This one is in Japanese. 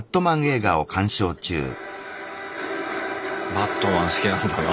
バットマン好きなんだな。